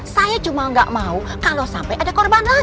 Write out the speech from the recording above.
saya cuma engga mau kalo sampe ada korban lagi